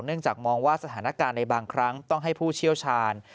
จากมองว่าสถานการณ์ในบางครั้งต้องให้ผู้เชี่ยวชาญ